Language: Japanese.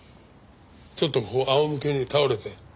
ちょっとここ仰向けに倒れて。